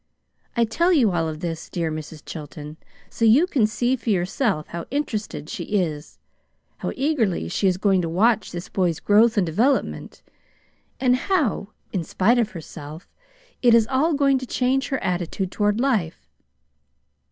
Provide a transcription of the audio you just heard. I tell you all this, dear Mrs. Chilton, so you can see for yourself how interested she is, how eagerly she is going to watch this boy's growth and development, and how, in spite of herself, it is all going to change her attitude toward life.